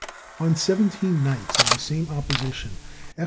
On seventeen nights of the same opposition, F.